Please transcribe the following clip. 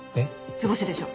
図星でしょ？